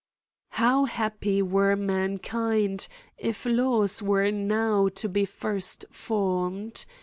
How happv were mankind if laws were now to be first formed